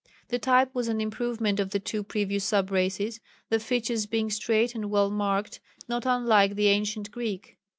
The type was an improvement on the two previous sub races, the features being straight and well marked, not unlike the ancient Greek.